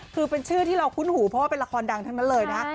คือเป็นชื่อที่เราคุ้นหูเพราะว่าเป็นละครดังทั้งนั้นเลยนะ